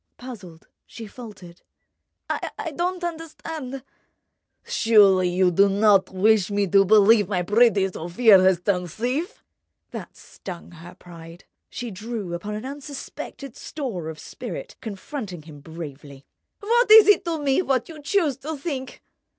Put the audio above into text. Puzzled, she faltered: "I don't understand—" "Surely you don't wish me to believe my pretty Sofia has turned thief?" That stung her pride. She drew upon an unsuspected store of spirit, confronting him bravely. "What is it to me, what you choose to think?"